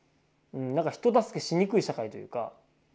人助けしにくい社会というか。